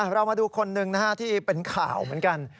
เรามาดูคนหนึ่งที่เป็นข่าวเหมือนกัน